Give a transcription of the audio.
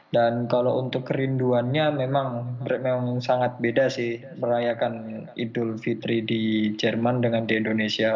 dan kalau untuk kerinduannya memang sangat beda sih merayakan idul fitri di jerman dengan di indonesia